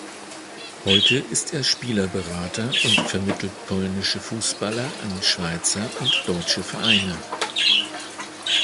Heute ist er Spielerberater und vermittelt polnische Fußballer an Schweizer und deutsche Vereine.